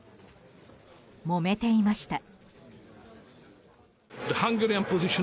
もめていました。